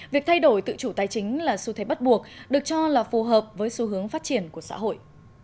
việc thay đổi tự chủ tài chính là xu thế bắt buộc được cho là phù hợp với xu hướng phát triển của xã hội